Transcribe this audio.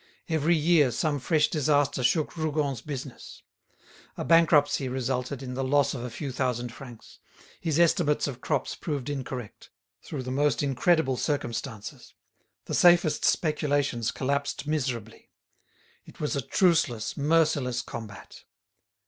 Every year some fresh disaster shook Rougon's business. A bankruptcy resulted in the loss of a few thousand francs; his estimates of crops proved incorrect, through the most incredible circumstances; the safest speculations collapsed miserably. It was a truceless, merciless combat.